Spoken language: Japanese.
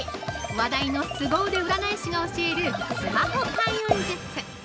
話題のスゴ腕占い師が教えるスマホ開運術。